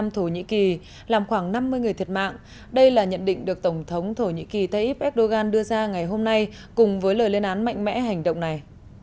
thủy nhĩ kỳ tây íp erdogan đưa ra ngày hôm nay cùng với lời lên án mạnh mẽ hành động này